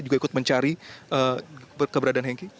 juga ikut mencari keberadaan henki